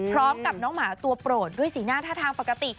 พร้อมกับน้องหมาตัวโปรดด้วยสีหน้าท่าทางปกติ